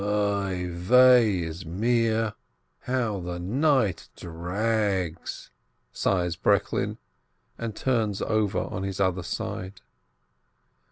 "Oi, weh is mir ! How the night drags !" sighs Brek lin, and turns over onto his other side.